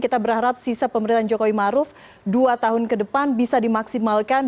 kita berharap sisa pemerintahan jokowi maruf dua tahun ke depan bisa dimaksimalkan